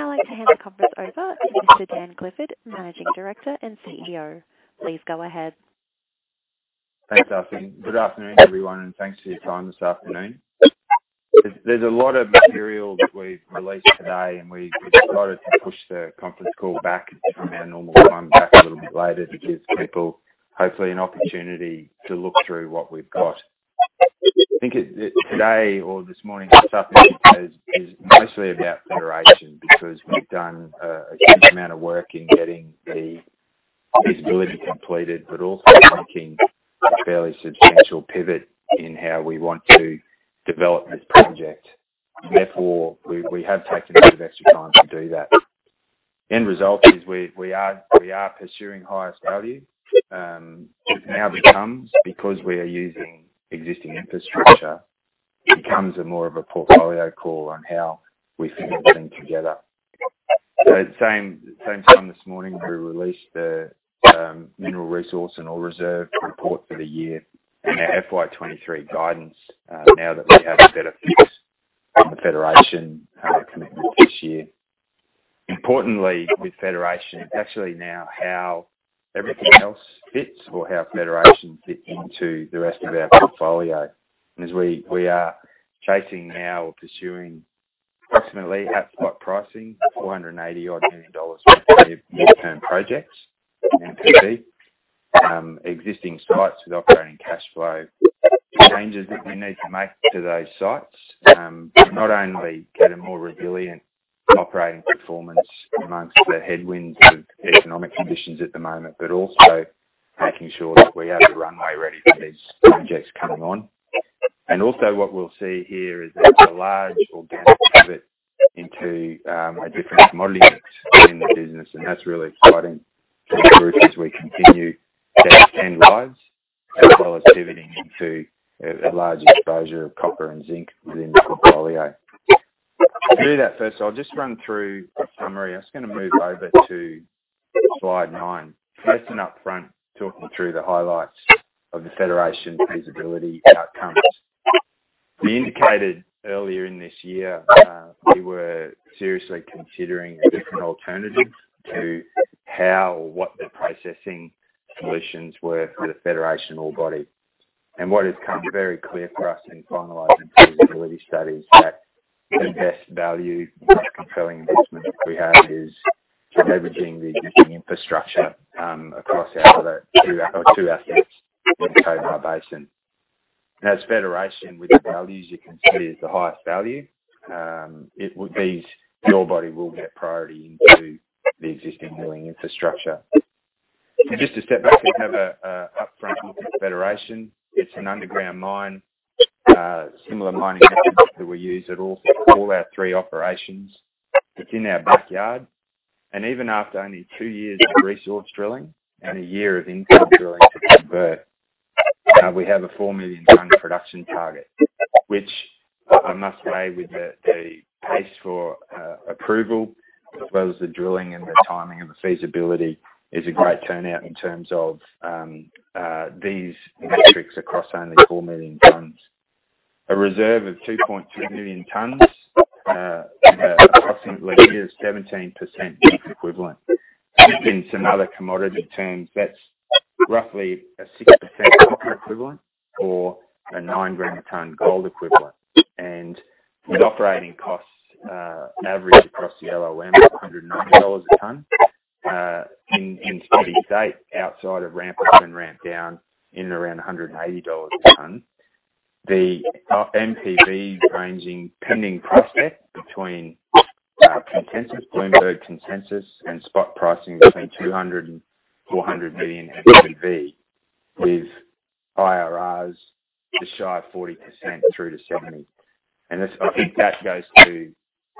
I'd now like to hand the conference over to Mr. Daniel Clifford, Managing Director and CEO. Please go ahead. Thanks, Ashley. Good afternoon, everyone, and thanks for your time this afternoon. There's a lot of material that we've released today, and we decided to push the conference call back from our normal time back a little bit later to give people hopefully an opportunity to look through what we've got. I think today or this morning this update is mostly about Federation, because we've done a huge amount of work in getting the feasibility completed, but also making a fairly substantial pivot in how we want to develop this project. Therefore, we have taken a bit of extra time to do that. End result is we are pursuing highest value. Now becomes, because we are using existing infrastructure, becomes more of a portfolio call on how we fit everything together. At same time this morning, we released the mineral resource and ore reserve report for the year and our FY 2023 guidance, now that we have a better fix on the Federation commitment this year. Importantly, with Federation, actually now how everything else fits or how Federation fits into the rest of our portfolio. As we are chasing now or pursuing approximately half spot pricing, 480 million dollars worth of mid-term projects in NPV, existing sites with operating cash flow. The changes that we need to make to those sites, to not only get a more resilient operating performance amongst the headwinds of economic conditions at the moment, but also making sure that we have the runway ready for these projects coming on. Also what we'll see here is that it's a large organic pivot into a different commodity mix in the business, and that's really exciting for the group as we continue to extend lives, as well as pivoting into a larger exposure of copper and zinc within the portfolio. To do that, first I'll just run through a summary. I'm just gonna move over to slide 9. First and upfront, talking through the highlights of the Federation feasibility outcomes. We indicated earlier in this year we were seriously considering different alternatives to how or what the processing solutions were for the Federation ore body. What has become very clear for us in finalizing feasibility studies is that the best value and most compelling investment that we have is leveraging the existing infrastructure across our other two assets in the Cobar Basin. As Federation, with the values you can see, is the highest value, it would mean the ore body will get priority into the existing milling infrastructure. Just to step back and have a upfront look at Federation, it's an underground mine, similar mining methods that we use at all our three operations. It's in our backyard. Even after only two years of resource drilling and a year of infill drilling to convert, we have a 4-million-tonne production target, which I must weigh with the pace for approval, as well as the drilling and the timing and the feasibility is a great turnout in terms of these metrics across only 4 million tonnes. A reserve of 2.2 million tonnes, costing less 17% Zn equivalent. In some other commodity terms, that's roughly a 6% copper equivalent or a 9 g/t gold equivalent. With operating costs average across the LOM at 190 dollars a tonne. In steady state, outside of ramp up and ramp down, in and around 180 dollars a tonne. The NPV ranging, pending price check between consensus, Bloomberg consensus and spot pricing between 200 million and 400 million NPV with IRRs just shy of 40% through to 70. This, I think that goes to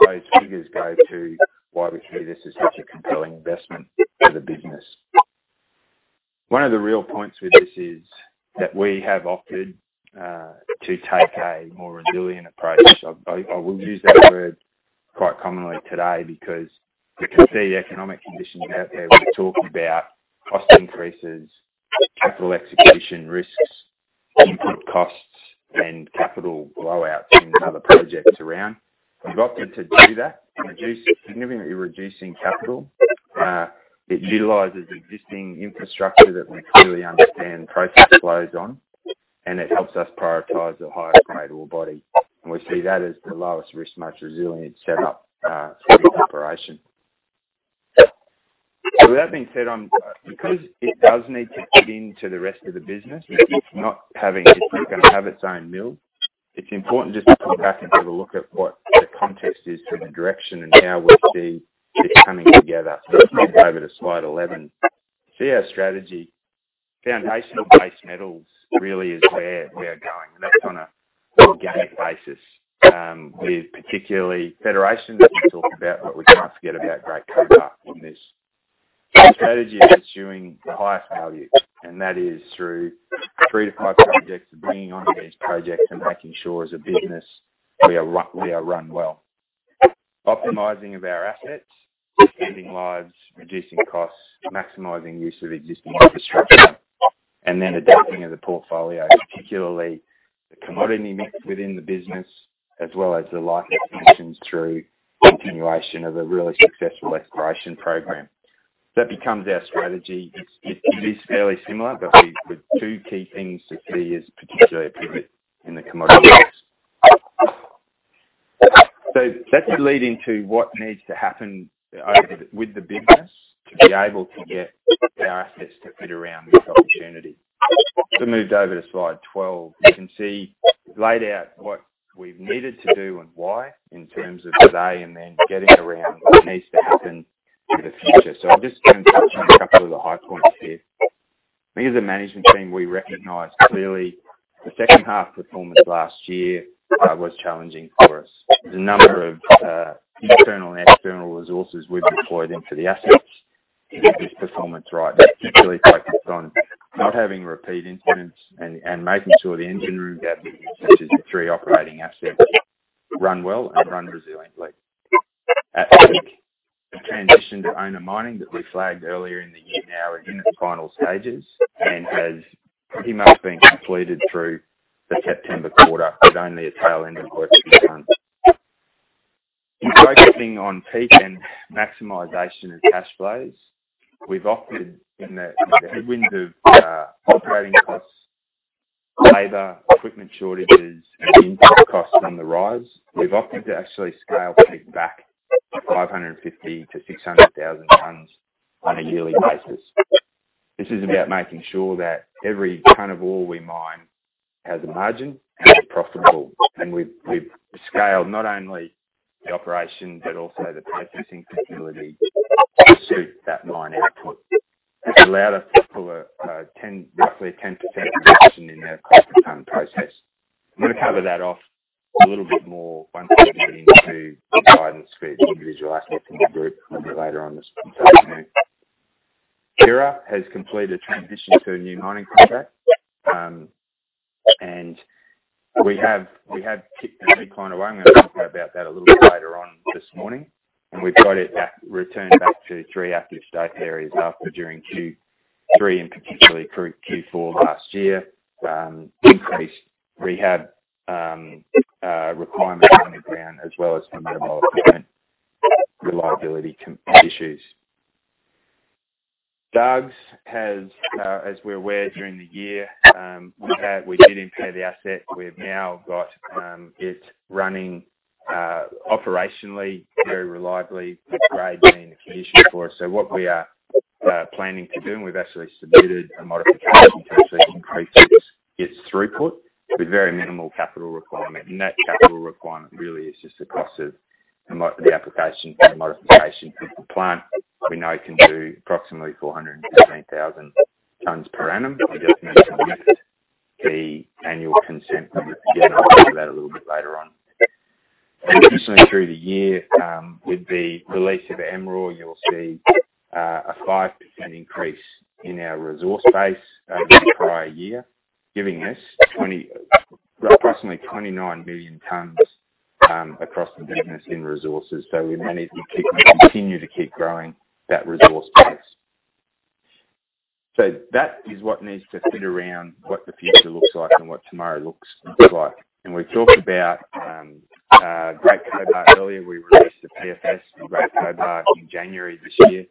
those figures go to why we see this as such a compelling investment for the business. One of the real points with this is that we have opted to take a more resilient approach. I will use that word quite commonly today because you can see economic conditions out there. We're talking about cost increases, capital execution risks, input costs, and capital blowouts in other projects around. We've opted to do that, significantly reducing capital. It utilizes existing infrastructure that we clearly understand process flows on, and it helps us prioritize the higher-grade ore body. We see that as the lowest risk, more resilient setup, for the operation. With that being said, because it does need to fit into the rest of the business, it's not gonna have its own mill. It's important just to come back and have a look at what the context is for the direction and how we see it coming together. If you can go over to slide 11. See our strategy, foundational base metals really is where we are going, and that's on a organic basis, with particularly Federation that we talked about, but we can't forget about Great Cobar in this. Our strategy is pursuing the highest value, and that is through three to five projects and bringing on these projects and making sure as a business we are run well. Optimizing of our assets, extending lives, reducing costs, maximizing use of existing infrastructure, and then adapting of the portfolio, particularly the commodity mix within the business, as well as the life extensions through continuation of a really successful exploration program. That becomes our strategy. It is fairly similar, but we with two key things to see as particularly pivot in the commodity mix. That's leading to what needs to happen with the business to be able to get our assets to fit around this opportunity. Moved over to slide 12. You can see laid out what we've needed to do and why in terms of today, and then getting around what needs to happen for the future. I'm just gonna touch on a couple of the high points here. As a management team, we recognize clearly the second half performance last year was challenging for us. There's a number of internal and external resources we've deployed into the assets to get this performance right. That's particularly focused on not having repeat incidents and making sure the engine room, that which is the three operating assets, run well and run resiliently. At Peak, the transition to owner mining that we flagged earlier in the year now are in its final stages and has pretty much been completed through the September quarter, with only a tail end of works to be done. In focusing on Peak and maximization of cash flows, we've opted in the headwind of operating costs, labor, equipment shortages, and input costs on the rise. We've opted to actually scale Peak back to 550,000-600,000 tonnes on a yearly basis. This is about making sure that every tonne of ore we mine has a margin and is profitable. We've scaled not only the operation but also the processing facility to suit that mine output. It's allowed us to pull a roughly 10% reduction in our cost per tonne processed. I'm gonna cover that off a little bit more once we get into the guidance for the individual assets in the group a little later on this afternoon. Hera has completed transition to a new mining contract, and we have kicked the decline away. I'm gonna talk about that a little bit later on this morning. We've got it returned back to three active stope areas during Q3 and particularly through Q4 last year, increased rehab requirement underground as well as some mobile equipment reliability issues. Dargues has, as we're aware during the year, we did impair the asset. We've now got it running operationally very reliably. It's grading and finishing for us. What we are planning to do, and we've actually submitted a modification to actually increase its throughput with very minimal capital requirement. That capital requirement really is just the cost of the application for the modification to the plant. We know it can do approximately 417,000 tonnes per annum. We just need to amend the annual consent for it. Again, I'll cover that a little bit later on. Additionally, through the year, with the release of Emerald, you'll see a 5% increase in our resource base over the prior year, giving us approximately 29 million tonnes across the business in resources. We manage to keep continuing to keep growing that resource base. That is what needs to fit around what the future looks like and what tomorrow looks like. We've talked about Great Cobar earlier. We released the PFS for Great Cobar in January this year,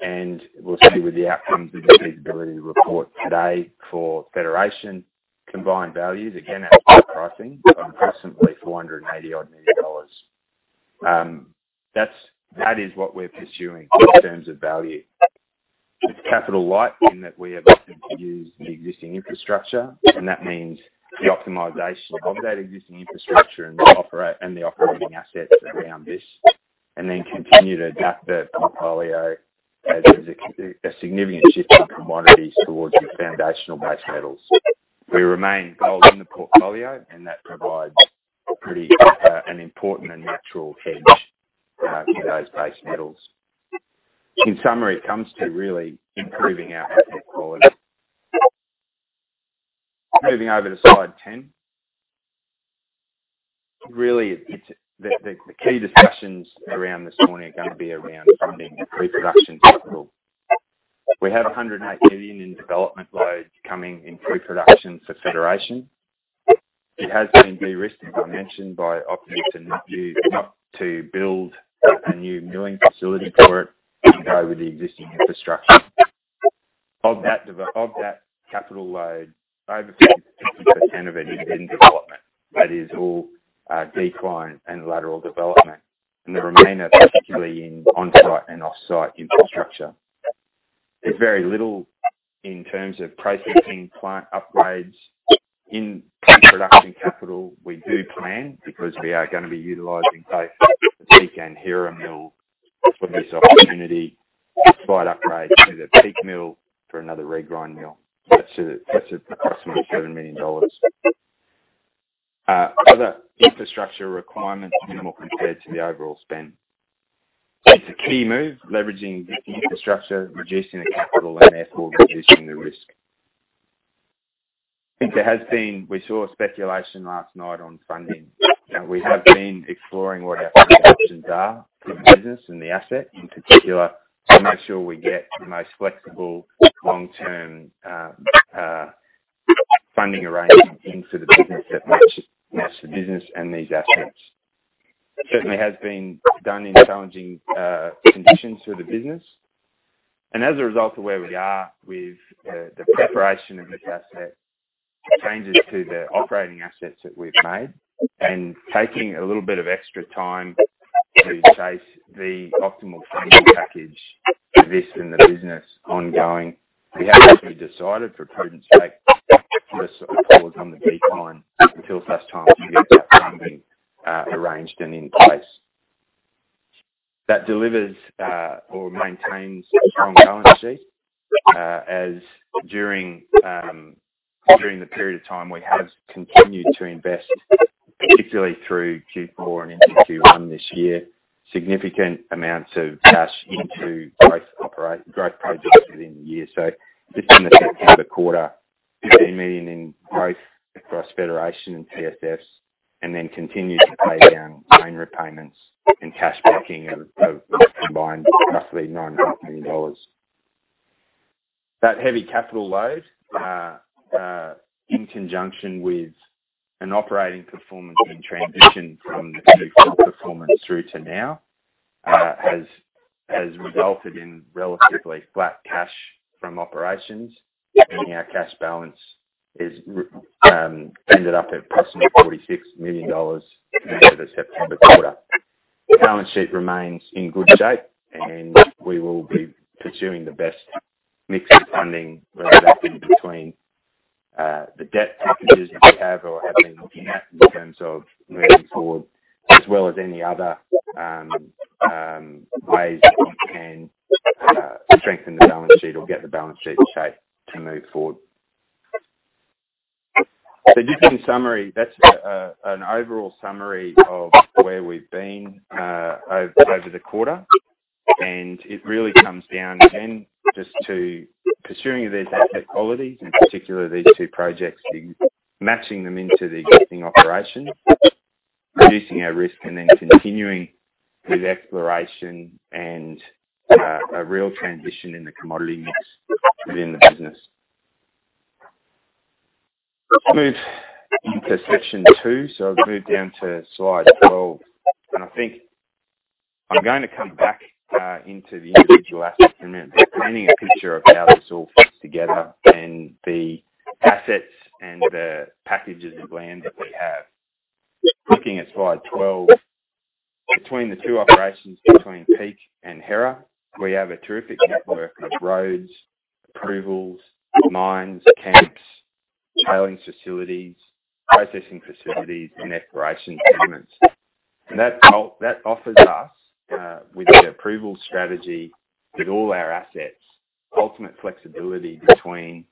and we'll see with the outcomes of the feasibility report today for Federation combined values, again, at high pricing of approximately 480 million dollars. That's what we're pursuing in terms of value. It's capital light in that we are looking to use the existing infrastructure, and that means the optimization of that existing infrastructure and the operating assets around this, and then continue to adapt the portfolio as there's a significant shift in commodities towards the foundational base metals. We remain gold in the portfolio, and that provides pretty an important and natural hedge for those base metals. In summary, it comes to really improving our asset quality. Moving over to slide 10. Really, it's the key discussions around this morning are gonna be around funding pre-production capital. We have 108 million in development load coming in pre-production for Federation. It has been de-risked, as I mentioned, by opting not to build a new milling facility for it and go with the existing infrastructure. Of that capital load, over 60% of it is in development. That is all decline and lateral development, and the remainder particularly in on-site and offsite infrastructure. There's very little in terms of processing plant upgrades. In pre-production capital, we do plan because we are gonna be utilizing both Peak and Hera mill for this opportunity to provide upgrades with the Peak mill for another regrind mill. That's approximately AUD 7 million. Other infrastructure requirements, minimal compared to the overall spend. It's a key move, leveraging the existing infrastructure, reducing the capital, and therefore reducing the risk. We saw speculation last night on funding. Now, we have been exploring what our funding options are for the business and the asset, in particular to make sure we get the most flexible long-term funding arrangement into the business that matches the business and these assets. Certainly has been done in challenging conditions for the business. As a result of where we are with the preparation of this asset, changes to the operating assets that we've made, and taking a little bit of extra time to chase the optimal funding package for this and the business ongoing, we have actually decided for prudence's sake to sort of pause on the decline until such time we get that funding arranged and in place. That delivers or maintains a strong balance sheet as during the period of time we have continued to invest particularly through Q4 and into Q1 this year significant amounts of cash into growth projects within the year. Just in the September quarter, 15 million in growth across Federation and TSFs, and then continued to pay down loan repayments and cash backing of this combined roughly 9 million dollars. That heavy capital load in conjunction with an operating performance in transition from the Q4 performance through to now has resulted in relatively flat cash from operations, meaning our cash balance ended up at approximately AUD 46 million at the end of the September quarter. Balance sheet remains in good shape, and we will be pursuing the best mix of funding whether that's in between the debt packages that we have or have been looking at in terms of moving forward, as well as any other ways that we can strengthen the balance sheet or get the balance sheet in shape to move forward. Just in summary, that's an overall summary of where we've been over the quarter. It really comes down again, just to pursuing these asset qualities, in particular these two projects, matching them into the existing operation, reducing our risk, and then continuing with exploration and a real transition in the commodity mix within the business. Let's move into section two. I'll move down to slide 12. I think I'm going to come back into the individual assets in a minute, but painting a picture of how this all fits together and the assets and the packages of land that we have. Looking at slide 12, between the two operations between Peak and Hera, we have a terrific network of roads, approvals, mines, camps, tailings facilities, processing facilities, and exploration tenements. That offers us with the approval strategy with all our assets, ultimate flexibility between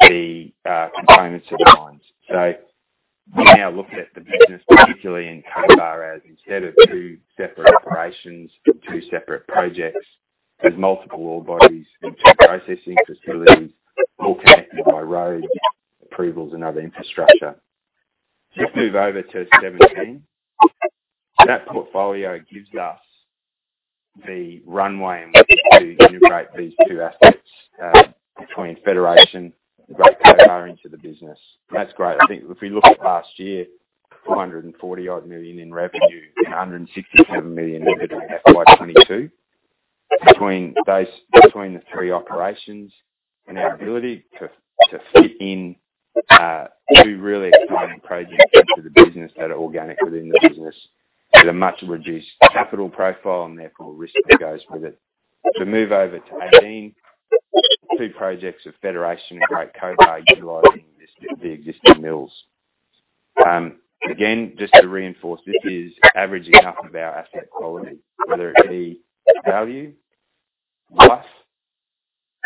the components of the mines. We now look at the business, particularly in Cobar, as instead of two separate operations, two separate projects with multiple ore bodies and two processing facilities, all connected by road approvals and other infrastructure. Just move over to 17. That portfolio gives us the runway in which to integrate these two assets, between Federation, Great Cobar into the business. That's great. I think if we look at last year, 240-odd million in revenue and 167 million EBITDA. Slide 22. Between those, the three operations and our ability to fit in two really exciting projects into the business that are organic within the business at a much reduced capital profile and therefore risk that goes with it. If we move over to 18, two projects of Federation and Great Cobar utilizing this, the existing mills. Again, just to reinforce, this is averaging up of our asset quality, whether it be value plus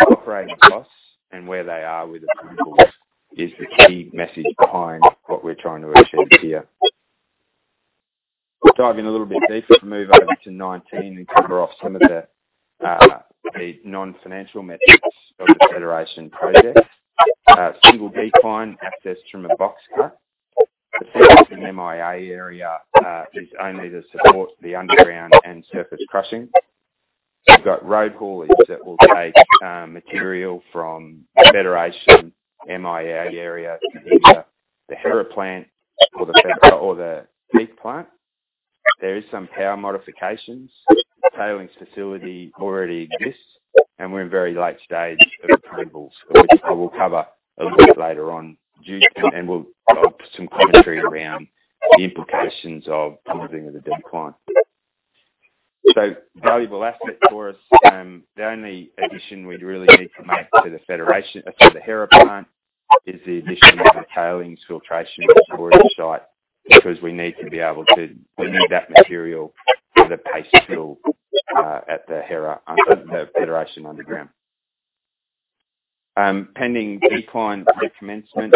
operating costs and where they are with approval is the key message behind what we're trying to achieve here. Dive in a little bit deeper to move over to 19 and cover off some of the non-financial metrics of the Federation project. Single decline access from a box cut. The surface and MIA area is only to support the underground and surface crushing. We've got road haulage that will take material from Federation MIA area to either the Hera plant or the Peak plant. There is some power modifications. Tailings facility already exists, and we're in very late stage of approvals, which I will cover a little bit later on, and I'll put some commentary around the implications of closing of the decline. Valuable asset for us. The only addition we'd really need to make to the Hera plant is the addition of a tailings filtration storage site, because we need to be able to. We need that material for the paste fill at the Federation underground. Pending decline recommencement,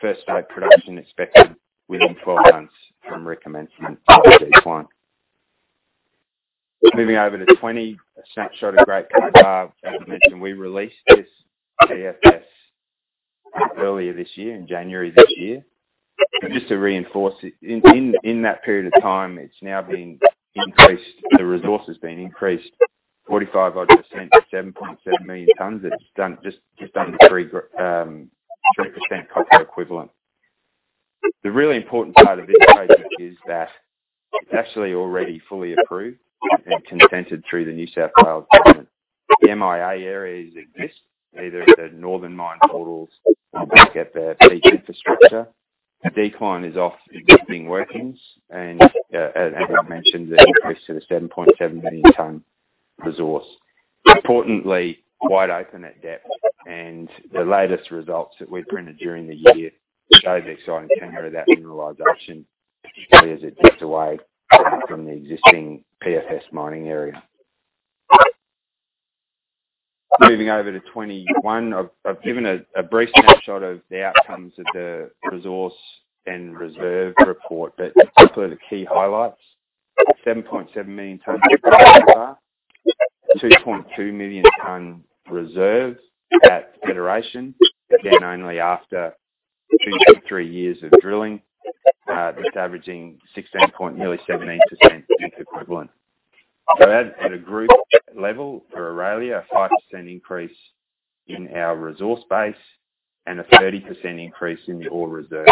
first wave production expected within 12 months from recommencement of the decline. Moving over to 20, a snapshot of Great Cobar. As mentioned, we released this PFS earlier this year, in January this year. Just to reinforce it, in that period of time, it's now been increased. The resource has been increased 45-odd% to 7.7 million tonnes. It's just done 3% copper equivalent. The really important part of this project is that it's actually already fully approved and consented through the New South Wales Government. The MIA areas exist either at the northern mine portals or back at the Peak infrastructure. Decline is off existing workings and, as I mentioned, the increase to the 7.7 million tonne resource. Importantly, wide open at depth, and the latest results that we printed during the year show the exciting tenor of that mineralization as it dips away from the existing PFS mining area. Moving over to 21. I've given a brief snapshot of the outcomes of the resource and reserve report, but particularly the key highlights. 7.7 million tonnes at resource. 2.2 million tonnes reserves at Federation, again, only after 2.3 years of drilling, just averaging 16%, nearly 17% zinc equivalent. At a group level for Aurelia, a 5% increase in our resource base and a 30% increase in the ore reserve.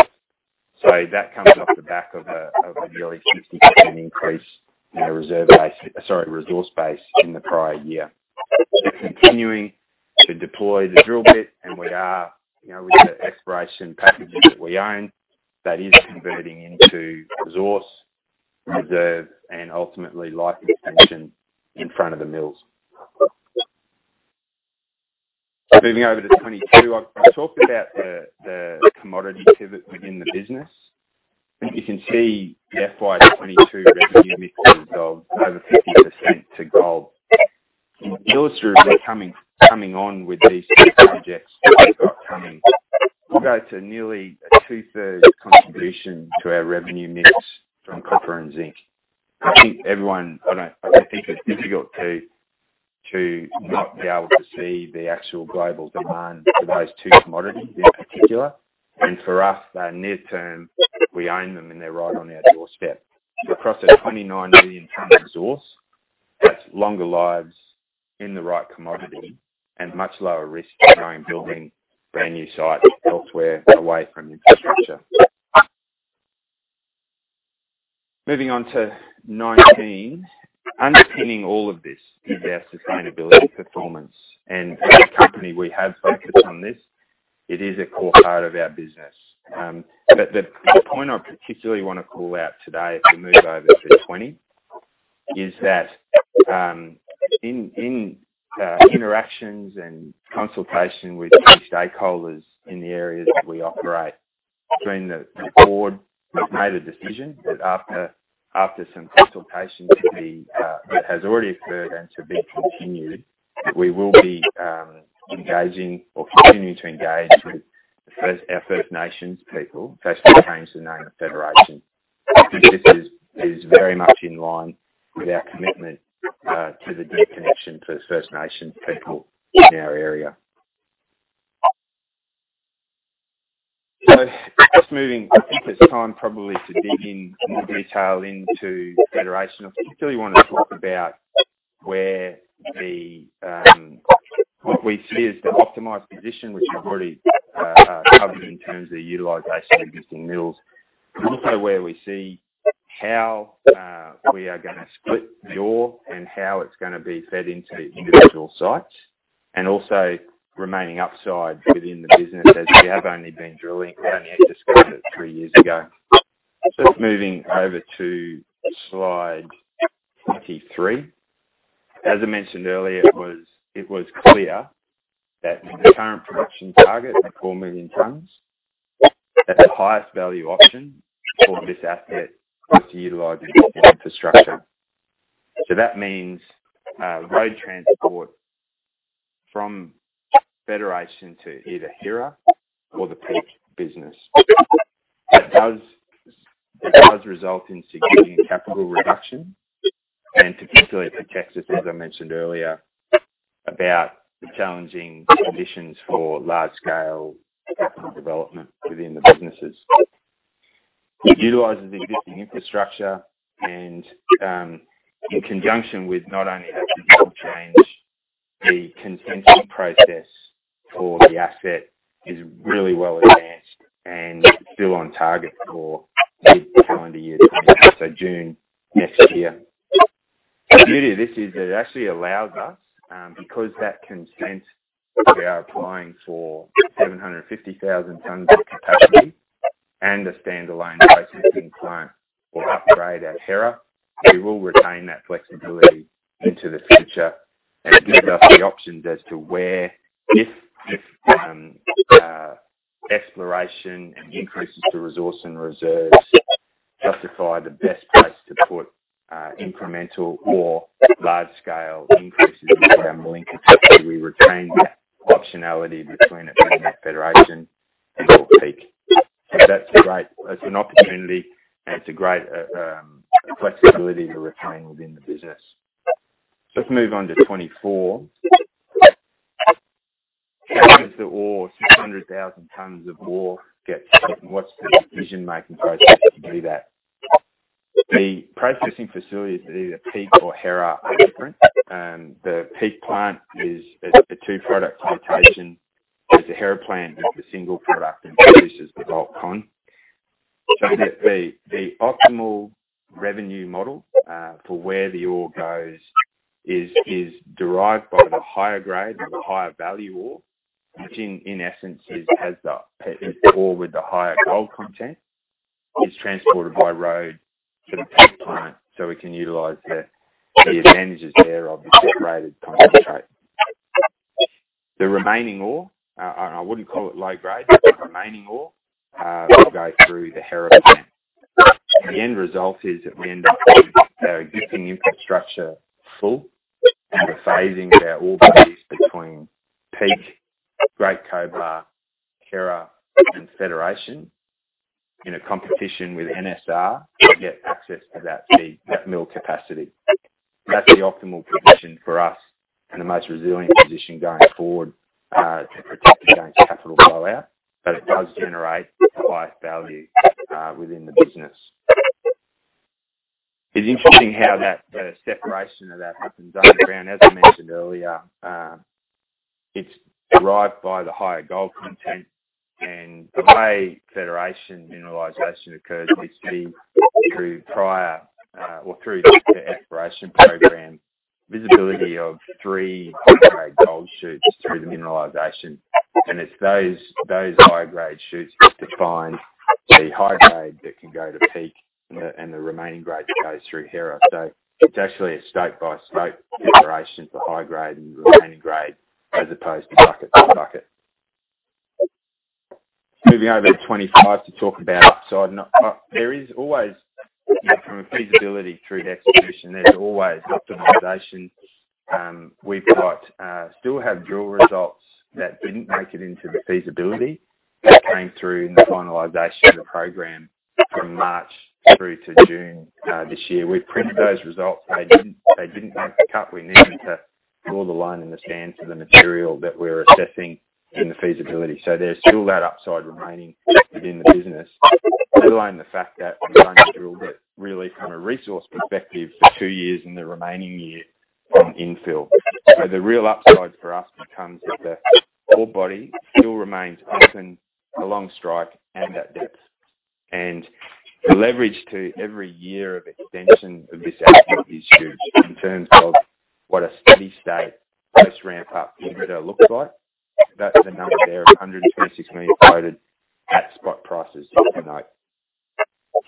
That comes off the back of a nearly 60% increase in our resource base in the prior year. Sorry, continuing to deploy the drill bit, and we are, you know, with the exploration packages that we own, that is converting into resource, reserve, and ultimately life extension in front of the mills. Moving over to 2022. I've talked about the commodity pivot within the business. You can see the FY 2022 revenue mix of over 50% to gold. Illustratively coming on with these two projects that we've got coming, will grow to nearly a two-thirds contribution to our revenue mix from copper and zinc. I think everyone. I don't think it's difficult to not be able to see the actual global demand for those two commodities in particular. For us, they're near-term, we own them, and they're right on our doorstep. Across a 29 million tonne resource, that's longer lives in the right commodity and much lower risk than going building brand new sites elsewhere away from infrastructure. Moving on to 19. Underpinning all of this is our sustainability performance. As a company, we have focused on this. It is a core part of our business. The point I particularly wanna call out today, if we move over to 20, is that in interactions and consultation with key stakeholders in the areas that we operate, it's been that the board has made a decision that after some consultation that has already occurred and to be continued, that we will be engaging or continuing to engage with our First Nations people first to change the name of Federation. This is very much in line with our commitment to the deep connection to its First Nations people in our area. Just moving. I think it's time probably to dig in more detail into Federation. I particularly wanna talk about where what we see as the optimized position, which we've already covered in terms of the utilization of existing mills. Also where we see how we are gonna split the ore and how it's gonna be fed into individual sites, and also remaining upside within the business as we have only been drilling, we only had discovered it three years ago. Moving over to slide 23. As I mentioned earlier, it was clear that the current production target of 4 million tonnes, that the highest value option for this asset was to utilize existing infrastructure. That means road transport from Federation to either Hera or the Peak business. That does result in significant capital reduction and particularly protects us, as I mentioned earlier, about the challenging conditions for large scale capital development within the businesses. It utilizes existing infrastructure and in conjunction with not only that control change, the consenting process for the asset is really well advanced and still on target for mid-calendar year, so June next year. The beauty of this is it actually allows us because that consent, we are applying for 750,000 tonnes of capacity and a standalone processing plant or upgrade at Hera. We will retain that flexibility into the future and gives us the options as to where, if exploration and increases to resource and reserves justify the best place to put incremental or large scale increases into our mill in Cathedral, we retain that optionality between it being at Federation or Peak. That's a great opportunity, and it's a great flexibility to retain within the business. Let's move on to 24. As the ore, 600,000 tonnes of ore gets taken. What's the decision-making process to do that? The processing facilities at either Peak or Hera are different. The Peak plant is a two-product plant. There's a Hera plant with a single product and produces the bulk tonne. The optimal revenue model for where the ore goes is derived by the higher grade or the higher value ore, which in essence is the ore with the higher gold content, is transported by road to the plant so we can utilize the advantages there of the separated concentrate. The remaining ore, I wouldn't call it low grade, but the remaining ore will go through the Hera plant. The end result is that we end up with our existing infrastructure full, and we're phasing our ore feed between Peak, Great Cobar, Hera, and Federation in a competition with NSR to get access to that Peak mill capacity. That's the optimal position for us and the most resilient position going forward to protect against capital rollout, but it does generate the highest value within the business. It's interesting how that, the separation of that happens underground. As I mentioned earlier, it's derived by the higher gold content and the way Federation mineralization occurs, we see through prior or through the exploration program, visibility of three high-grade gold shoots through the mineralization. It's those high-grade shoots that define the high grade that can go to Peak and the remaining grade goes through Hera. So it's actually a stope-by-stope separation for high grade and remaining grade as opposed to bucket to bucket. Moving over to 25 to talk about upside. Now, there is always, you know, from a feasibility through to execution, there's always optimization. We've got still have drill results that didn't make it into the feasibility that came through in the finalization of the program from March through to June this year. We've printed those results. They didn't make the cut. We needed to draw the line in the sand for the material that we're assessing in the feasibility. There's still that upside remaining within the business, let alone the fact that we've only drilled it really from a resource perspective for two years and the remaining year on infill. The real upsides for us becomes that the ore body still remains open along strike and at depth. The leverage to every year of extension of this asset is huge in terms of what a steady state post ramp-up EBITDA looks like. That's the number there of 126 million quoted at spot prices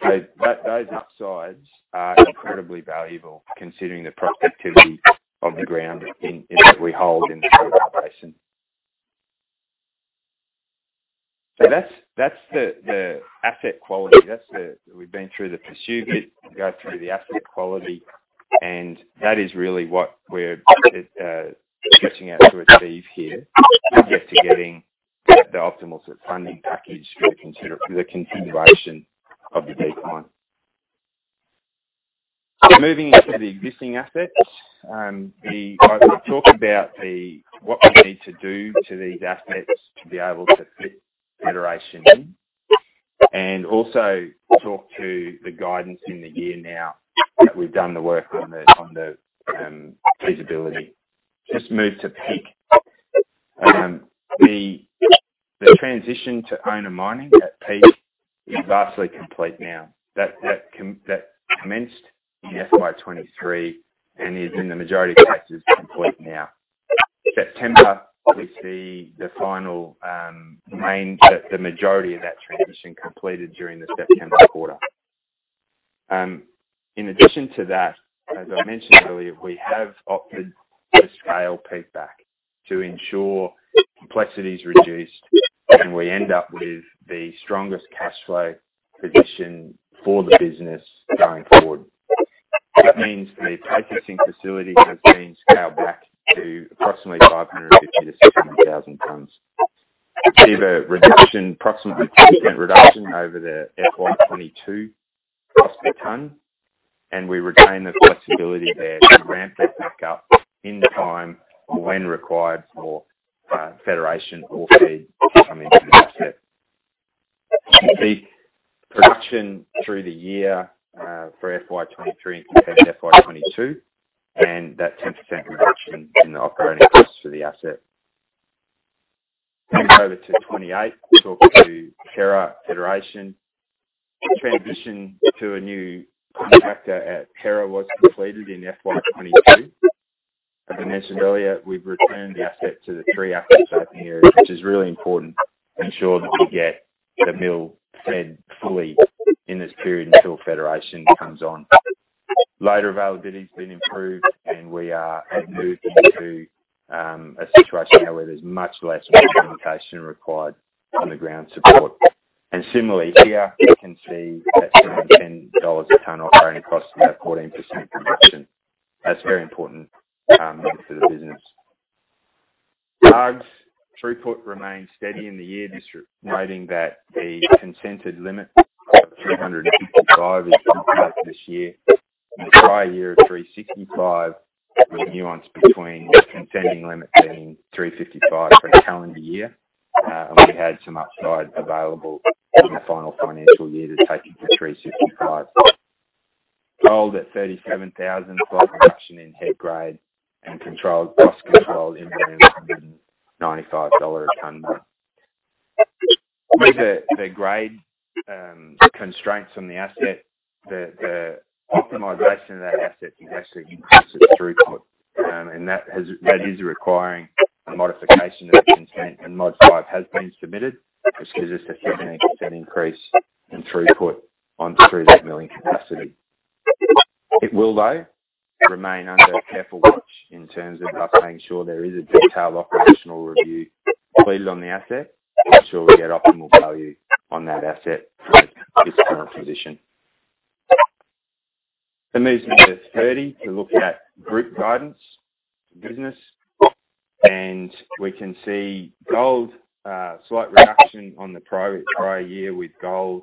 tonight. Those upsides are incredibly valuable considering the productivity of the ground in that we hold in the Cobar Basin. That's the asset quality. We've been through the pursue bit. We'll go through the asset quality, and that is really what we're sketching out to achieve here subject to getting the optimal sort of funding package for the continuation of the Peak Mine. Moving into the existing assets, I will talk about what we need to do to these assets to be able to fit Federation in, and also talk to the guidance in the year now that we've done the work on the feasibility. Just move to Peak. The transition to owner mining at Peak is vastly complete now. That commenced in FY 2023 and is, in the majority of cases, complete now. September, we see the final, the majority of that transition completed during the September quarter. In addition to that, as I mentioned earlier, we have opted to scale Peak back to ensure complexity is reduced, and we end up with the strongest cash flow position for the business going forward. That means the processing facility has been scaled back to approximately 550,000-600,000 tonnes. We see the reduction, approximately 10% reduction over the FY 2022 cost a tonne, and we retain the flexibility there to ramp that back up in time when required for Federation ore feed to come into the asset. Peak production through the year for FY 2023 compared to FY 2022, and that 10% reduction in the operating costs for the asset. Move over to 28. Talk to Hera, Federation. Transition to a new contractor at Hera was completed in FY 2022. As I mentioned earlier, we've returned the asset to the three asset type area, which is really important to ensure that we get the mill fed fully in this period until Federation comes on. Loader availability has been improved, and we have moved into a situation now where there's much less remote communication required on the ground support. Similarly here, you can see that 10 dollars tonne operating cost, about 14% reduction. That's very important for the business. Throughput remained steady in the year, just noting that the consented limit of 355 is 1. This year, the prior year of 365 was nuanced between the consenting limit being 355 for a calendar year. We had some upside available in the final financial year to take it to 365. Gold at 37,000 saw production in head grade and cost controlled in around AUD 95 a tonne. The grade constraints on the asset, the optimization of that asset has actually increased its throughput. That is requiring a modification of the consent, and MOD5 has been submitted, which gives us a 13% increase in throughput onto 300 million capacity. It will, though, remain under careful watch in terms of us making sure there is a detailed operational review completed on the asset to ensure we get optimal value on that asset for this current position. The movement to 30, to look at group guidance business, and we can see gold, slight reduction on the prior year with gold,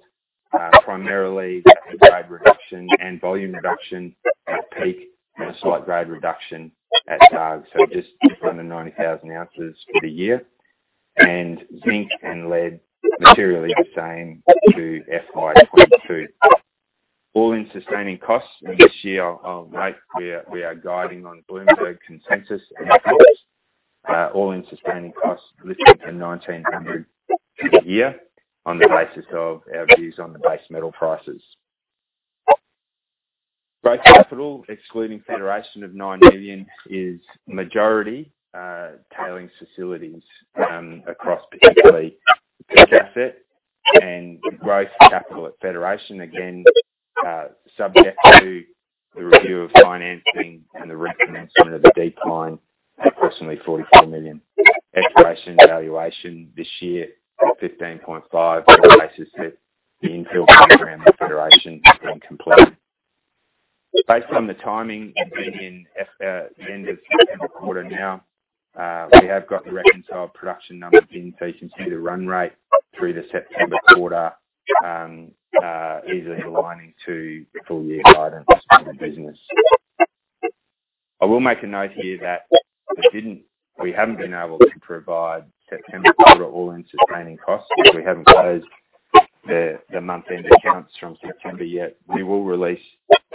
primarily head grade reduction and volume reduction at Peak and a slight grade reduction at Dargues. So just under 90,000 ounces for the year. Zinc and lead materially the same to FY 2022. All-in sustaining costs. This year, I'll note we are guiding on Bloomberg consensus and costs. All-in sustaining costs listed in 1,900 for the year on the basis of our views on the base metal prices. Growth capital, excluding Federation, of 9 million, is majority, tailings facilities, across particularly the Peak asset and the growth capital at Federation, again, subject to the review of financing and the refinancing of the decline at approximately 44 million. Exploration valuation this year at 15.5 on the basis that the infill program at Federation has been completed. Based on the timing at the end of September quarter now, we have got the reconciled production numbers in. You can see the run rate through the September quarter is aligning to full year guidance for the business. I will make a note here that we haven't been able to provide September quarter all-in sustaining costs because we haven't closed the month-end accounts from September yet. We will release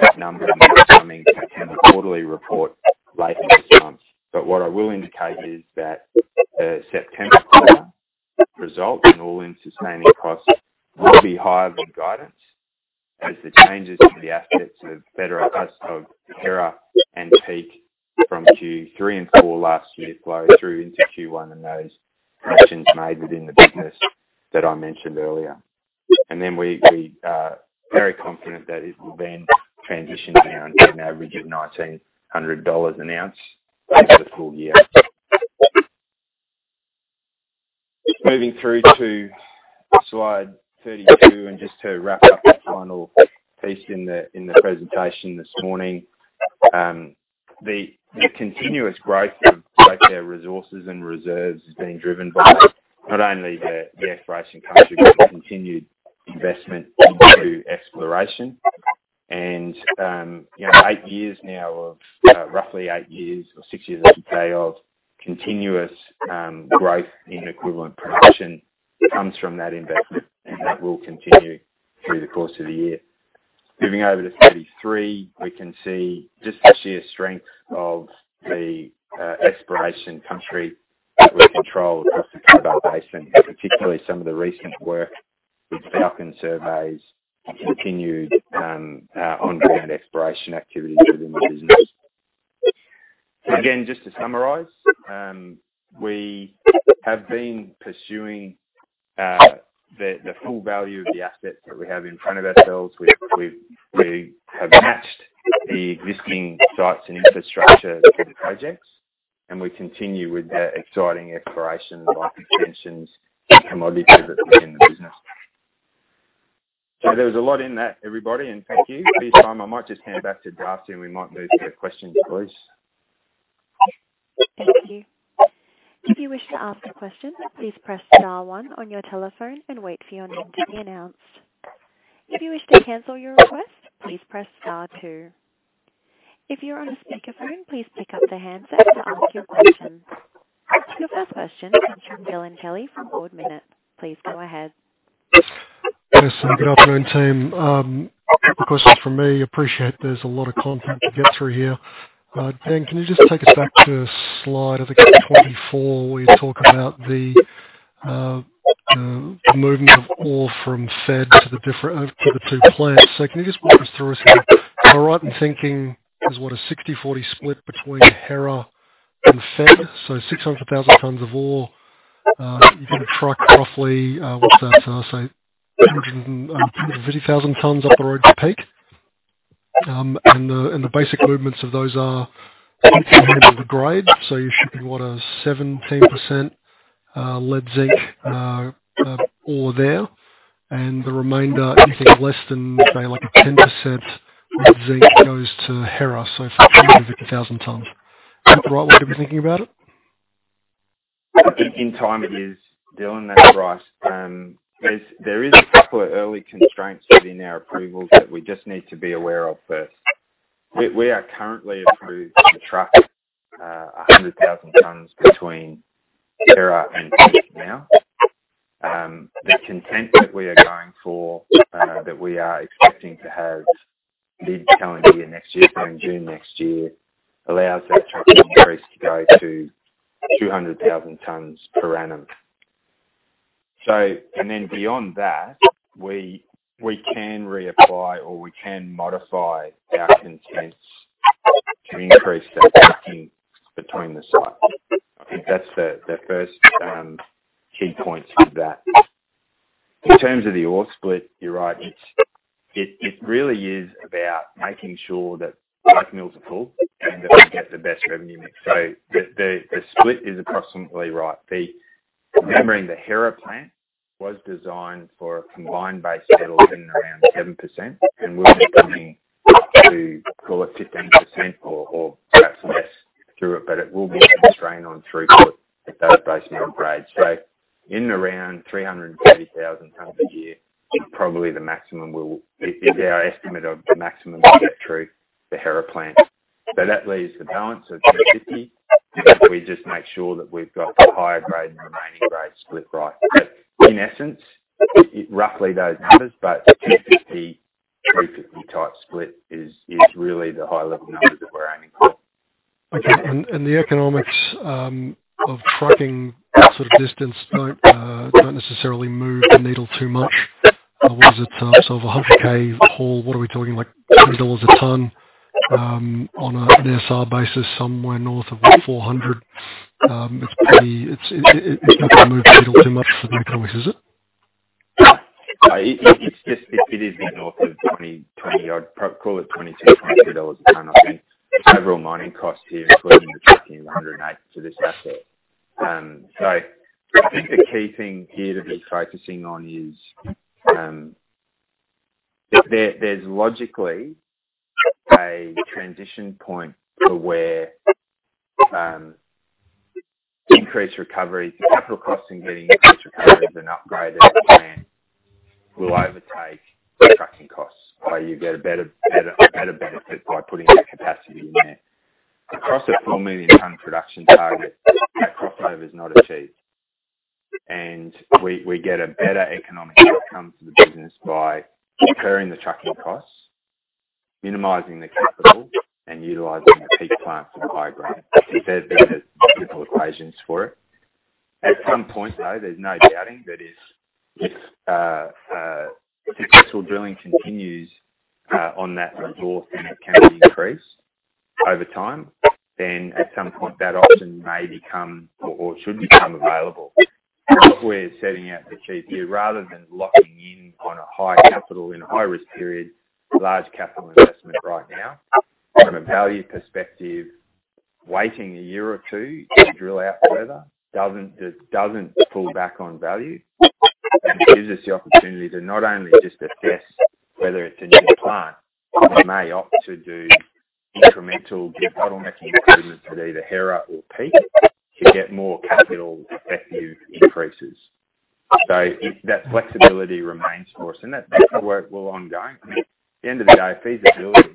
that number in the upcoming September quarterly report late this month. What I will indicate is that the September quarter results and all-in sustaining costs will be higher than guidance as the changes to the assets of Federation, Hera and Peak from Q3 and Q4 last year flow through into Q1 and those actions made within the business that I mentioned earlier. We very confident that it will then transition down to an average of 1,900 dollars an ounce for the full year. Moving through to slide 32 and just to wrap up the final piece in the presentation this morning. The continuous growth of both our resources and reserves is being driven by not only the exploration conducted, but the continued investment into exploration. You know, 8 years now of roughly 8 years or 6 years as of today of continuous growth in equivalent production comes from that investment, and that will continue through the course of the year. Moving over to 33, we can see just the sheer strength of the exploration country that we control across the Cobar Basin, and particularly some of the recent work with Falcon Surveys, continued on-ground exploration activities within the business. Again, just to summarize, we have been pursuing the full value of the assets that we have in front of ourselves. We have matched the existing sites and infrastructure for the projects, and we continue with the exciting exploration life extensions and commodities within the business. There was a lot in that, everybody, and thank you for your time. I might just hand it back to Darcy, and we might move to questions, please. Thank you. If you wish to ask a question, please press star one on your telephone and wait for your name to be announced. If you wish to cancel your request, please press star two. If you're on a speakerphone, please pick up the handset to ask your question. Your first question comes from Dylan Kelly from Ord Minnett. Please go ahead. Yes, good afternoon, team. A couple questions from me. Appreciate there's a lot of content to get through here. Dan, can you just take us back to slide, I think it was 24, where you talk about the movement of ore from Fed to the two plants. Can you just walk us through this here? Am I right in thinking there's what, a 60/40 split between Hera and Fed? 600,000 tonnes of ore, you can truck roughly, what's that? Say, 120,000 tonnes up the road to Peak. And the basic movements of those are independent of the grade. You're shipping what, a 17% lead zinc ore there. And the remainder, I think less than say like 10% of zinc goes to Hera. It's like 200,000 tonnes. Is that the right way to be thinking about it? In time it is, Dylan, that's right. There is a couple of early constraints within our approvals that we just need to be aware of first. We are currently approved to truck 100,000 tonnes between Hera and Peak now. The consent that we are going for that we are expecting to have mid calendar year next year, so in June next year, allows that trucking increase to go to 200,000 tonnes per annum. Beyond that, we can reapply or we can modify our consents to increase that trucking between the sites. I think that's the first key points with that. In terms of the ore split, you're right. It really is about making sure that both mills are full and that we get the best revenue mix. The split is approximately right. Remembering the Hera plant was designed for a combined base metal of in around 7%, and we'll be coming up to call it 15% or perhaps less through it, but it will be a constraint on throughput at those base metal grades. In around 330,000 tonnes a year is probably the maximum is our estimate of the maximum we'll get through the Hera plant. That leaves the balance of 250. We just make sure that we've got the higher grade and the remaining grade split right. In essence, it roughly those numbers, but 250 type split is really the high level number that we're aiming for. Okay. The economics of trucking that sort of distance don't necessarily move the needle too much. What is it? So of a 100K haul, what are we talking, like 20 dollars a tonne, on an NSR basis, somewhere north of what, 400? It's not gonna move the needle too much for the economics, is it? No, it's just a bit north of 20. I'd ballpark it 22 dollars a tonne. I think overall mining cost here, including the trucking, is 108 for this asset. So I think the key thing here to be focusing on is, there's logically a transition point to where increased recovery, the capital cost in getting increased recovery as an upgraded plant will overtake the trucking costs, where you get a better benefit by putting that capacity in there. Across a 4-million-tonne production target, that crossover is not achieved. We get a better economic outcome for the business by incurring the trucking costs, minimizing the capital, and utilizing the Peak plant for the high grade. There are simple equations for it. At some point, though, there's no doubting that if successful drilling continues on that resource and it can be increased over time, then at some point that option may become or should become available. What we're setting out to achieve here, rather than locking in on a high capital in a high-risk period, large capital investment right now, from a value perspective, waiting a year or two to drill out further doesn't pull back on value and gives us the opportunity to not only just assess whether it's a new plant, but we may opt to do incremental de-bottlenecking improvements at either Hera or Peak to get more capital effective increases. That flexibility remains for us. That's the work we're ongoing. I mean, at the end of the day, feasibility,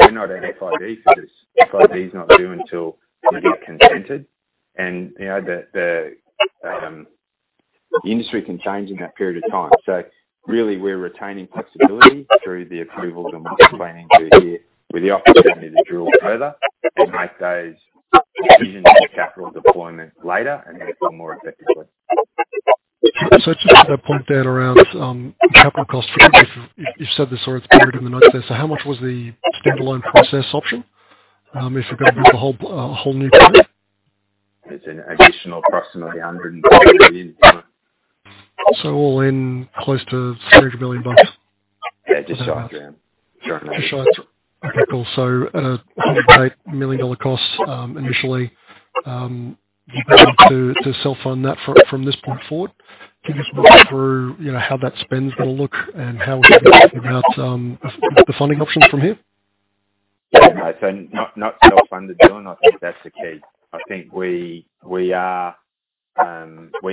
we're not at FID for this. FID is not due until we get consented and, you know, the industry can change in that period of time. Really we're retaining flexibility through the approvals and what we're planning to do here with the opportunity to drill further and make those decisions on capital deployment later and in a more effective way. Just to point out around capital cost for this, you've said this already, it's been written in the notes there. How much was the standalone processing option if it got built a whole new plant? It's an additional approximately 140 million. All in, close to 300 million bucks. Yeah, just shy of that. Just shy. It's okay, cool. AUD 108 million cost, initially. You're looking to self-fund that from this point forward. Can you just walk me through, you know, how that spend's gonna look and how we think about the funding options from here? Yeah. Not self-funded, Dylan, I think that's the key. I think we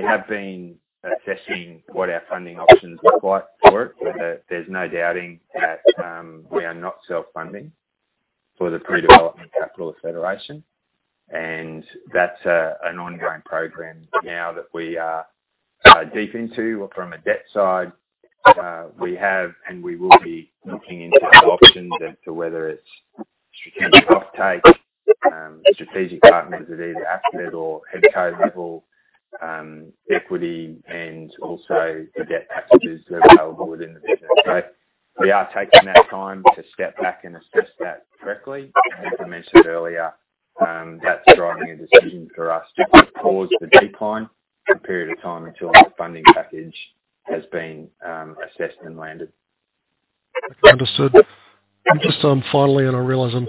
have been assessing what our funding options look like for it, but there's no doubting that we are not self-funding for the pre-development capital of Federation. That's an ongoing program now that we are deep into. From a debt side, we have and we will be looking into other options as to whether it's strategic offtake, strategic partners at either asset or head co level, equity and also the debt packages that are available within the business. We are taking that time to step back and assess that correctly. As I mentioned earlier, that's driving a decision for us to pause the decline for a period of time until that funding package has been assessed and landed. Understood. Just finally, I realize I'm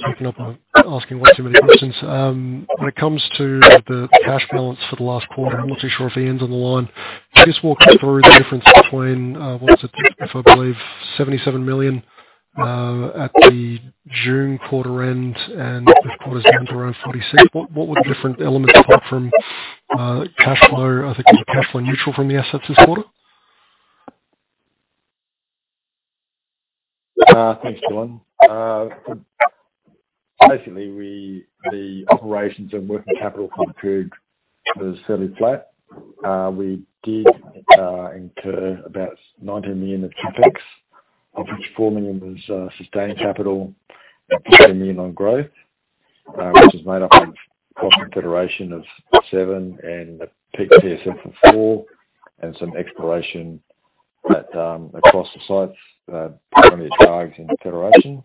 asking way too many questions. When it comes to the cash balance for the last quarter, I'm not too sure if Ian's on the line. Can you just walk us through the difference between, what is it, if I believe 77 million at the June quarter end and this quarter's down to around 46 million. What were the different elements apart from cash flow? I think it was cash flow neutral from the assets this quarter. Thanks, Dylan. Basically, the operations and working capital compared was fairly flat. We did incur about 19 million of CapEx, of which 4 million was sustained capital and 15 million on growth, which is made up of Federation of 7 and Peak TSF for 4 and some exploration at across the sites, primarily targets in Federation.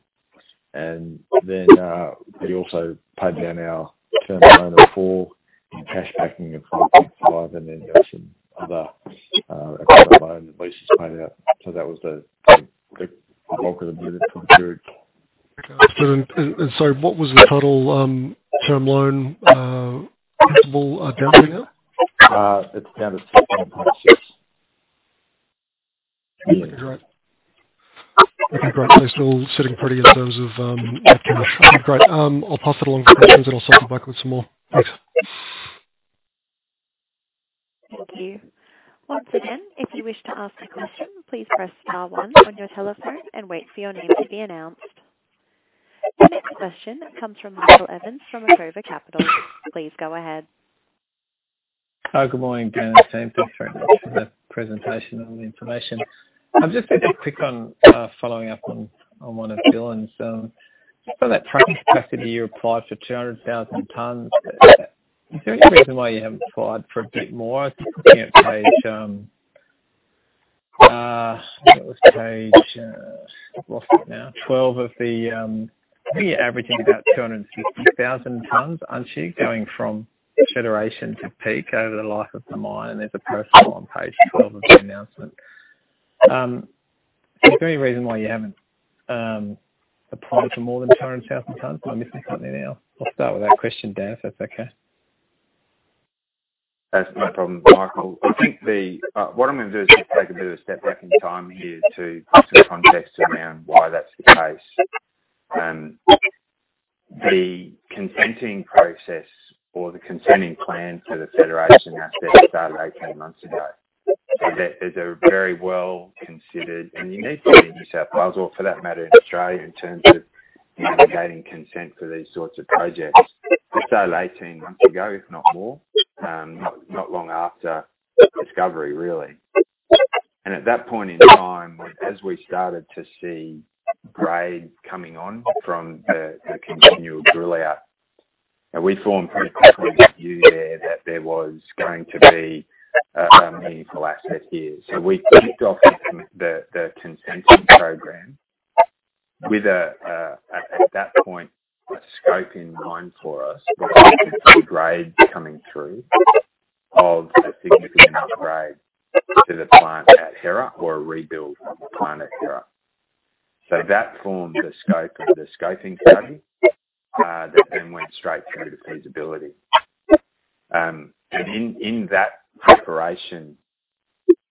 We also paid down our term loan of 4 years, cash backing of 5.5 million, and then had some other across our loans and leases paid out. That was the bulk of the movement for the period. Understood. What was the total term loan principal down to now? It's down to 10.6 million. Great. Okay, great. Still sitting pretty in terms of cash. Great. I'll pass it along to patrons, and I'll circle back with some more. Thanks. Thank you. Once again, if you wish to ask a question, please press star one on your telephone and wait for your name to be announced. The next question comes from Michael Evans from Acova Capital. Please go ahead. Hi. Good morning, Dan and team. Thanks very much for that presentation and all the information. I'm just going to be quick on following up on one of Dylan's. For that truck capacity, you applied for 200,000 tonnes. Is there any reason why you haven't applied for a bit more? Looking at page, I think it was page, lost it now, 12 of the, I think you're averaging about 260,000 tonnes, aren't you? Going from Federation to Peak over the life of the mine, and there's a profile on page 12 of the announcement. Is there any reason why you haven't applied for more than 200,000 tonnes? Am I missing something there? I'll start with that question, Dan, if that's okay. That's no problem, Michael. I think what I'm gonna do is just take a bit of a step back in time here to set the context around why that's the case. The consenting process or the consenting plan for the Federation asset started 18 months ago. There's a very well-considered, and you need to be in New South Wales, or for that matter, in Australia, in terms of navigating consent for these sorts of projects. We started 18 months ago, if not more, not long after discovery, really. At that point in time, as we started to see grade coming on from the continual drill out, and we formed pretty quickly a view there that there was going to be a meaningful asset here. We kicked off the consenting program with, at that point, a scope in mind for us, with the grade coming through of a significant upgrade to the plant at Hera or a rebuild of the plant at Hera. That formed the scope of the scoping study that then went straight through to feasibility. In that preparation,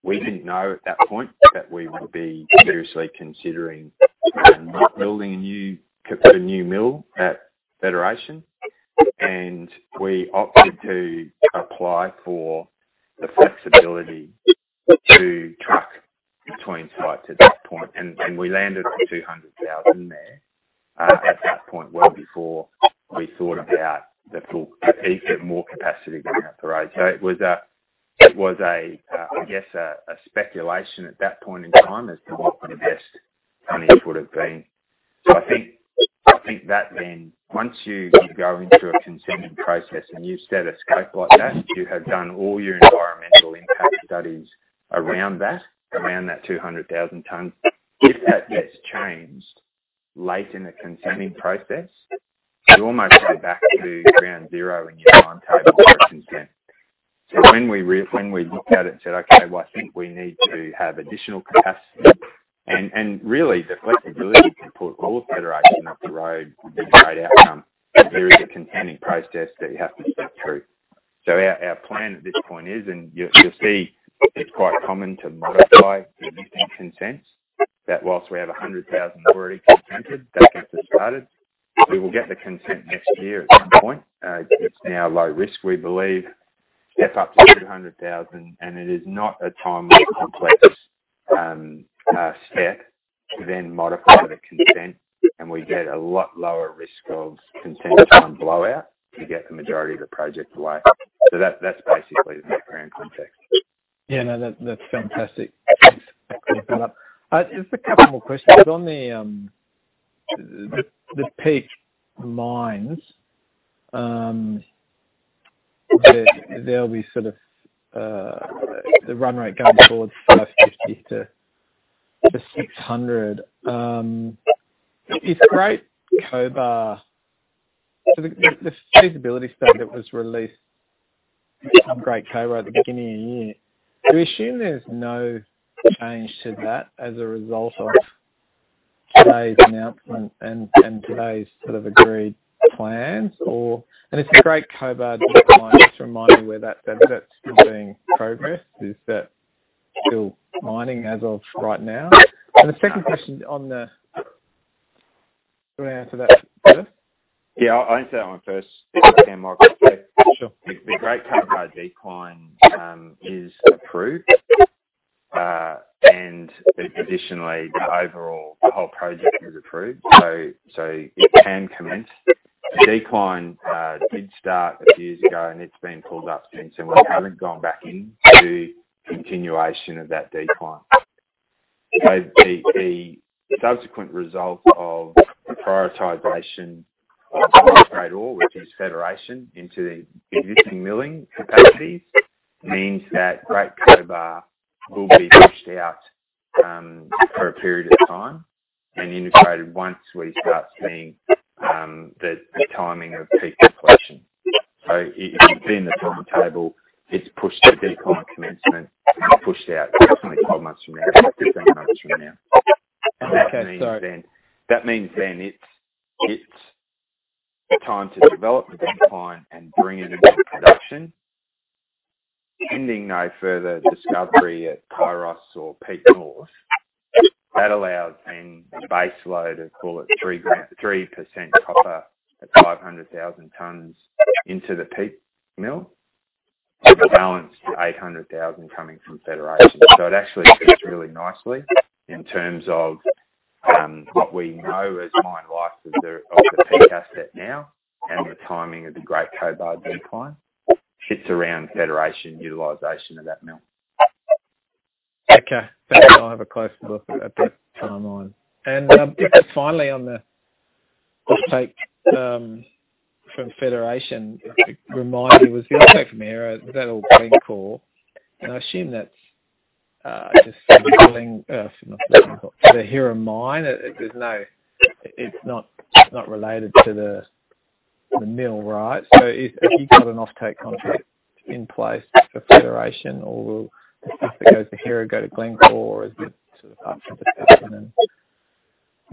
we didn't know at that point that we would be seriously considering building a new mill at Federation, and we opted to apply for the flexibility to truck between sites at that point. We landed on 200,000 tonnes there, at that point, well before we thought about the full Peak at more capacity going up the road. It was a speculation at that point in time as to what the best tonnage would have been. I think that then once you go into a consenting process and you set a scope like that, you have done all your environmental impact studies around that 200,000 tonnes. If that gets changed late in the consenting process, you almost go back to ground zero in your timetable for consent. When we looked at it and said, "Okay, well, I think we need to have additional capacity," and really the flexibility to put all of Federation up the road would be a great outcome. There is a consenting process that you have to step through. Our plan at this point is, and you'll see it's quite common to modify the existing consents that while we have 100,000 already consented, that gets us started. We will get the consent next year at some point. It's now low risk, we believe. That's up to 200,000 tonnes, and it is not a time-consuming and complex step to then modify the consent, and we get a lot lower risk of consent time blowout to get the majority of the project underway. That's basically the background context. Yeah. No, that's fantastic. Thanks for that. Just a couple more questions. On the Peak mines, there'll be sort of the run rate going forward, 550-600. It's Great Cobar. So the feasibility study that was released for Great Cobar at the beginning of the year. We assume there's no change to that as a result of today's announcement and today's sort of agreed plans. Regarding the Great Cobar development, just remind me where that's still being progressed. Is that still mining as of right now? The second question on the. Do you wanna answer that first? Yeah, I'll answer that one first if I can, Michael, yeah. Sure. The Great Cobar decline is approved. Additionally, the overall, the whole project is approved, so it can commence. The decline did start a few years ago, and it's been pulled up since, and we haven't gone back in to continuation of that decline. The subsequent result of the prioritization of high-grade ore, which is Federation into the existing milling capacities, means that Great Cobar will be pushed out for a period of time and integrated once we start seeing the timing of peak production. If it's been in the timetable, it's pushed the decline commencement and pushed out definitely 12-15 months from now. Okay. That means it's time to develop the decline and bring it into production. Pending no further discovery at Kairos or Peak North, that allows a base load of call it 3,000, 3% copper at 500,000 tonnes into the Peak mill, with the balance, the 800,000 coming from Federation. It actually fits really nicely in terms of what we know as mine life of the Peak asset now and the timing of the Great Cobar decline. Fits around Federation utilization of that mill. Okay. Thanks. I'll have a closer look at that timeline. Just finally on the offtake from Federation, just remind me, was the offtake from Hera, is that all Glencore? I assume that's just selling from the Hera mine. It's not related to the mill, right? If you've got an offtake contract in place for Federation or will the stuff that goes to Hera go to Glencore, or is this sort of up for discussion and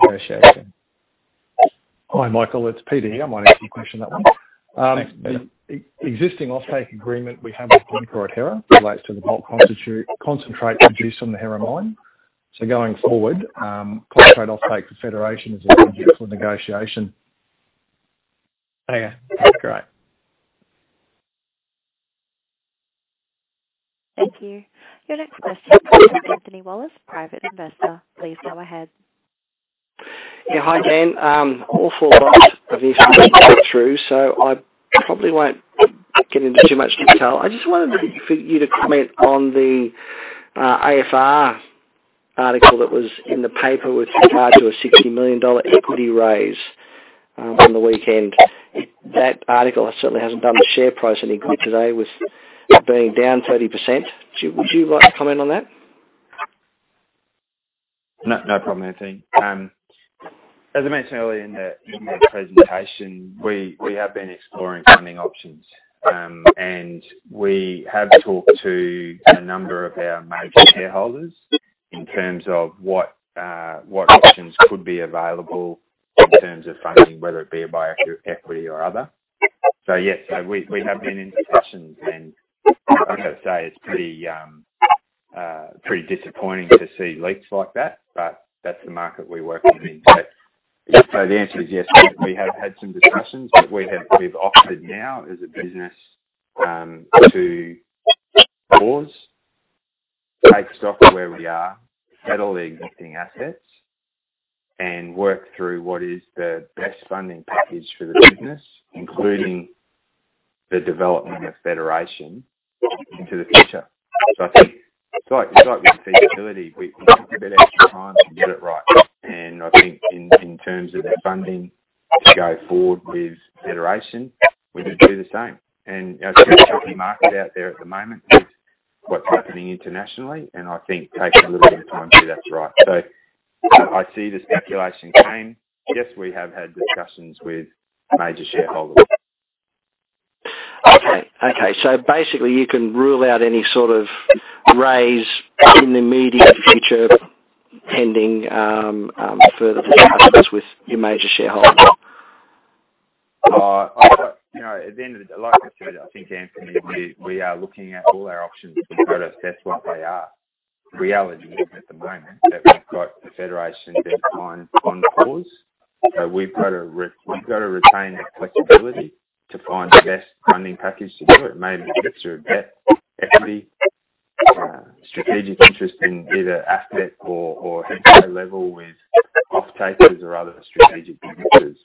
negotiation? Hi, Michael, it's Peter here. I might answer your question on that one. Thanks, Peter. The existing offtake agreement we have with Glencore at Hera relates to the bulk concentrate produced from the Hera mine. Going forward, concentrate offtake for Federation is open to negotiation. Okay. Great. Thank you. Your next question comes from Anthony Wallace, Private investor. Please go ahead. Yeah. Hi, Dan. All four of us have been through, so I probably won't get into too much detail. I just wanted for you to comment on the AFR article that was in the paper with regard to an 60 million dollar equity raise on the weekend. That article certainly hasn't done the share price any good today with being down 30%. Would you like to comment on that? No problem, Anthony. As I mentioned earlier in my presentation, we have been exploring funding options, and we have talked to a number of our major shareholders in terms of what options could be available in terms of funding, whether it be via equity or other. Yes. We have been in discussions, and I've got to say it's pretty disappointing to see leaks like that, but that's the market we work within. The answer is yes. We have had some discussions, but we've opted now as a business to pause, take stock of where we are, settle the existing assets, and work through what is the best funding package for the business, including the development of Federation into the future. I think it's like with feasibility. We need a bit extra time to get it right. I think in terms of the funding to go forward with Federation, we would do the same. I think the market out there at the moment with what's happening internationally, and I think taking a little bit of time to do that's right. I see the speculation came. Yes, we have had discussions with major shareholders. Okay. Basically you can rule out any sort of raise in the immediate future pending further discussions with your major shareholders. You know, at the end of the day, like I said, I think, Anthony, we are looking at all our options for the business. That's what they are. Reality is at the moment that we've got the Federation decline on pause. We've got to retain that flexibility to find the best funding package to do it. It may be through debt, equity, strategic interest in either asset or head office level with offtakers or other strategic investors.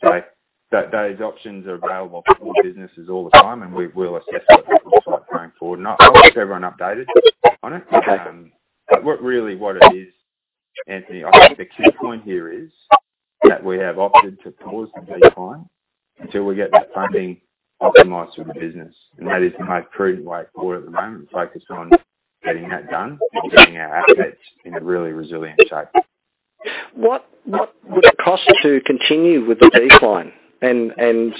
Those options are available for all businesses all the time, and we will assess what that looks like going forward. I'll keep everyone updated on it. What it is, Anthony, I think the key point here is that we have opted to pause the decline until we get that funding optimized for the business, and that is the most prudent way forward at the moment, focused on getting that done and getting our assets in a really resilient shape. What would it cost to continue with the decline and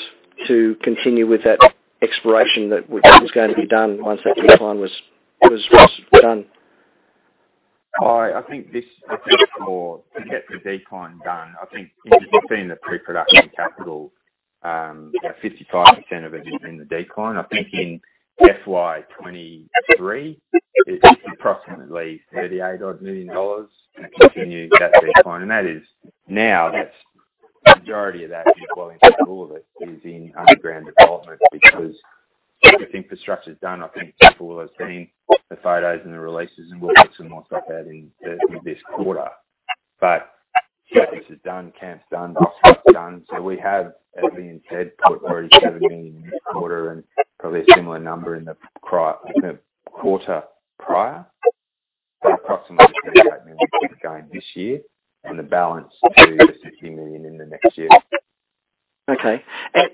to continue with that exploration that was going to be done once that decline was done? I think this to get the decline done. I think you've seen the pre-production capital, 55% of it is in the decline. I think in FY 2023, it's approximately 38 million dollars to continue that decline. That is, the majority of that is, well, all of it, is in underground development, because the infrastructure's done. I think people will have seen the photos and the releases, and we'll put some more stuff out in this quarter. Yeah, this is done, camp's done. We have, as Ian said, put already 7 million in this quarter and probably a similar number in the quarter prior. Approximately 38 million dollars to keep going this year and the balance to 50 million in the next year. Okay.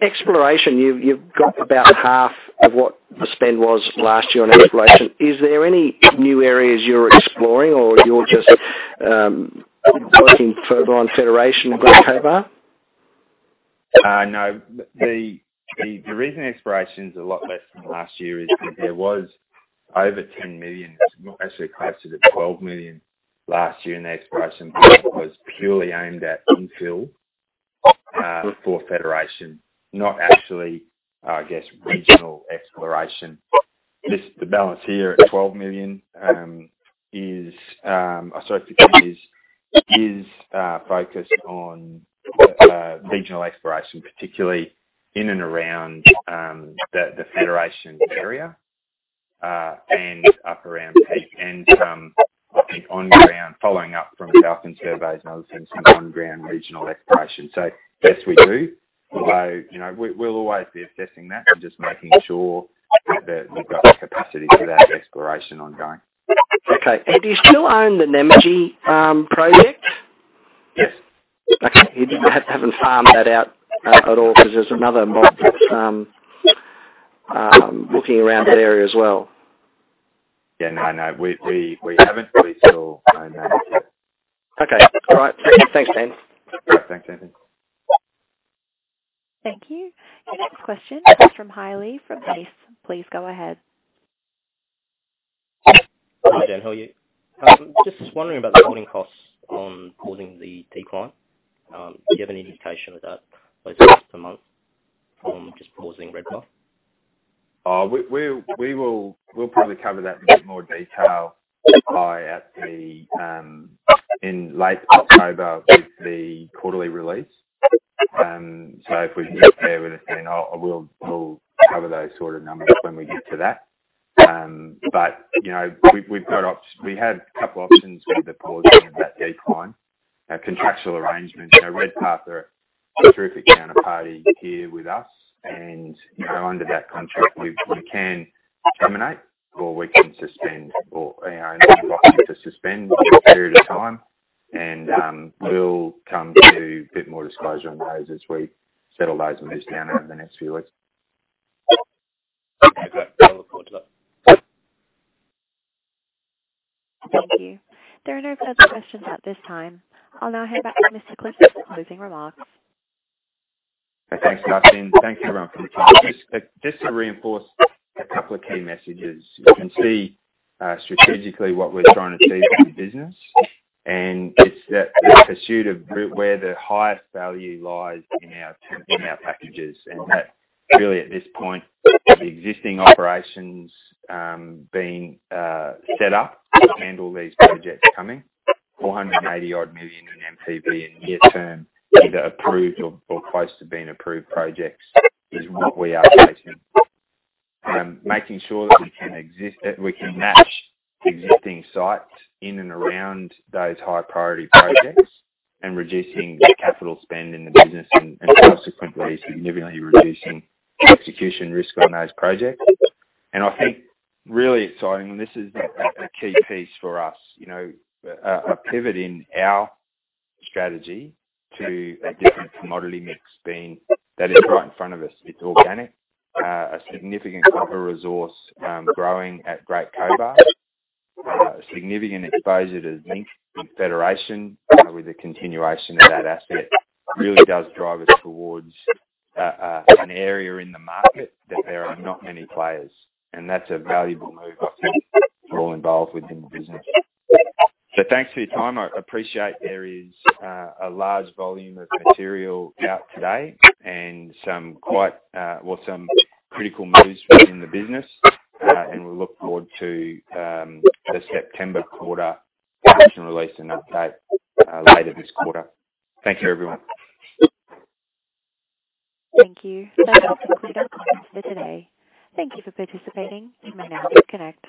Exploration, you've got about half of what the spend was last year on exploration. Is there any new areas you're exploring or you're just working further on Federation at Great Cobar? No. The reason exploration's a lot less than last year is because there was over 10 million, actually closer to 12 million last year, and the exploration budget was purely aimed at infill for Federation, not actually, I guess, regional exploration. The balance here at 12 million... Or sorry, AUD 15 million is focused on regional exploration, particularly in and around the Federation area, and up around Peak and I think on ground, following up from Falcon Surveys and others doing some on-ground regional exploration. Yes, we do. Although, you know, we'll always be assessing that and just making sure that we've got the capacity for that exploration ongoing. Okay. Do you still own the Nymagee project? Yes. Okay. You haven't farmed that out at all because there's another mob that's looking around that area as well. Yeah, no, I know. We haven't. We still own that. Okay. All right. Thanks, Dan. All right. Thanks, Anthony. Thank you. Your next question comes from Hayley from Mace. Please go ahead. Hi, Dan. How are you? Just wondering about the holding costs on holding the decline. Do you have any indication of that, like, cost per month from just pausing Redpath? We'll probably cover that in a bit more detail in late October with the quarterly release. So if we can get there with it, then we'll cover those sort of numbers when we get to that. But you know, we had a couple options with the pausing of that decline. A contractual arrangement. You know, Redpath are a terrific counterparty here with us and, you know, under that contract, we can terminate or we can suspend or, you know, an option to suspend for a period of time. We'll come to a bit more disclosure on those as we settle those and move down over the next few weeks. Okay. I'll look forward to that. Thank you. There are no further questions at this time. I'll now hand back to Mr. Clifford for closing remarks. Thanks, Kathleen. Thank you, everyone, for your time. Just to reinforce a couple of key messages. You can see strategically what we're trying to achieve in the business, and it's the pursuit of where the highest value lies in our packages. That really at this point is the existing operations being set up to handle these projects coming. 480-odd million in NPV in near-term either approved or close to being approved projects is what we are facing. Making sure that we can exist, that we can match existing sites in and around those high priority projects and reducing the capital spend in the business and consequently significantly reducing execution risk on those projects. I think really exciting, and this is a key piece for us, you know, a pivot in our strategy to a different commodity mix being that is right in front of us. It's organic. A significant copper resource growing at Great Cobar. A significant exposure to zinc in Federation with the continuation of that asset. Really does drive us towards an area in the market that there are not many players, and that's a valuable move, I think, for all involved within the business. Thanks for your time. I appreciate there is a large volume of material out today and some quite, well, some critical moves within the business, and we look forward to the September quarter production release and update later this quarter. Thank you, everyone. Thank you. That does conclude our conference for today. Thank you for participating. You may now disconnect.